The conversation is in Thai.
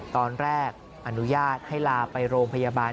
ตอนแรกอนุญาตให้ลาไปโรงพยาบาล